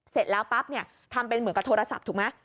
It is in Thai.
เสร็จแล้วปั๊บเนี่ยทำเป็นเหมือนกับโทรศัพท์ถูกไหม